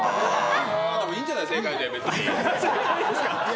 でもいいんじゃない、正解で、別に。